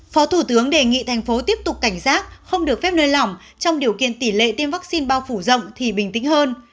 phó thủ tướng đề nghị thành phố tiếp tục cảnh giác không được phép nơi lỏng trong điều kiện tỷ lệ tiêm vaccine bao phủ rộng thì bình tĩnh hơn